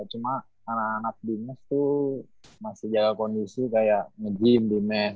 cuma anak anak dinas tuh masih jaga kondisi kayak nge gym di mes